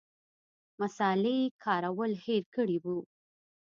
مصالې کارول هېر کړي وو.